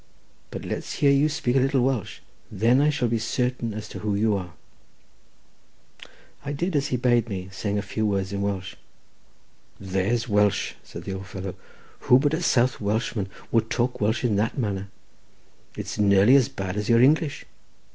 But let's hear you speak a little Welsh; then I shall be certain as to who you are." I did as he bade me, saying a few words in Welsh. "There's Welsh," said the old fellow, "who but a South Welshman would talk Welsh in that manner? It's nearly as bad as your English."